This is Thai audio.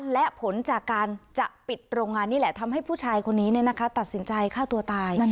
และผลจากการจะปิดโรงงานนี่แหละทำให้ผู้ชายคนนี้ตัดสินใจฆ่าตัวตาย